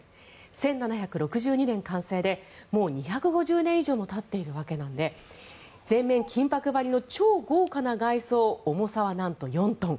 １７６２年完成でもう２５０年以上たっているわけなので前面金箔貼りの超豪華な外装重さはなんと４トン。